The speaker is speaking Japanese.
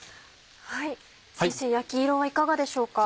先生焼き色はいかがでしょうか？